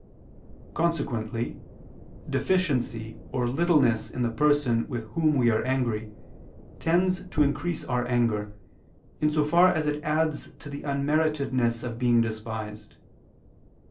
Consequently deficiency or littleness in the person with whom we are angry, tends to increase our anger, in so far as it adds to the unmeritedness of being despised.